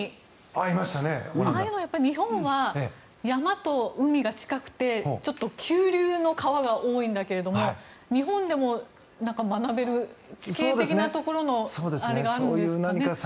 ああいうのは日本は山と海が近くて急流の川が多いんだけど日本でも学べる地形的なところのあれがあるんですかね。